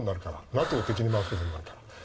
ＮＡＴＯを敵に回すことになるから。